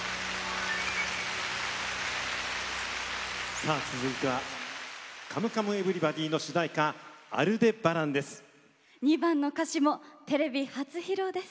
さあ、続いては「カムカムエヴリバディ」の主題歌「アルデバラン」です。